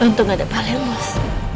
untung ada pak lemos